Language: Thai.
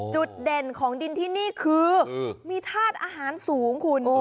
จุดเด่นของดินที่นี่คือมีธาตุอาหารสูงคุณ